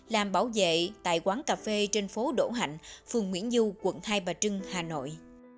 làm bảo vệ tại quán cà phê trên phố đổ hạnh phường nguyễn du quận hai bà trưng hà nội